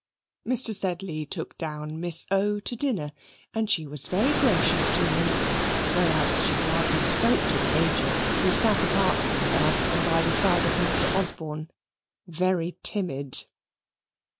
Mr. Sedley took down Miss O. to dinner, and she was very gracious to him; whereas she hardly spoke to the Major, who sat apart from her, and by the side of Mr. Osborne, very timid.